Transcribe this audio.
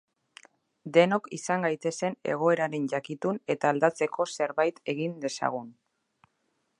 Denok izan gaitezen egoeraren jakitun eta aldatzeko zerbait egin dezagun.